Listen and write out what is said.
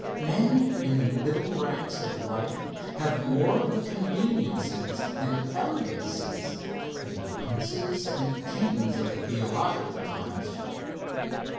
Men in the middle ranks of life have more of the conveniences and elegancies than the princes and kings of the theological times.